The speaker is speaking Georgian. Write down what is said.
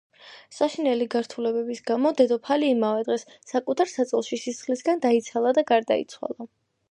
საშინელი გართულებების გამო, დედოფალი იმავე დღეს, საკუთარ საწოლში სისხლისგან დაიცალა და გარდაიცვალა.